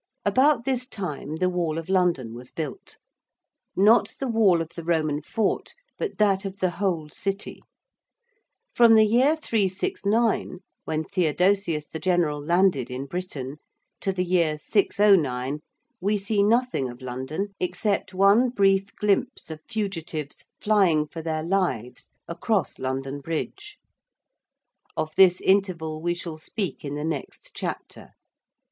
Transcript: About this time the wall of London was built; not the wall of the Roman fort, but that of the whole City. From the year 369, when Theodosius the general landed in Britain, to the year 609 we see nothing of London except one brief glimpse of fugitives flying for their lives across London Bridge. Of this interval we shall speak in the next chapter.